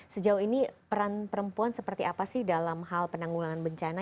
sejauh ini peran perempuan seperti apa sih dalam hal penanggulangan bencana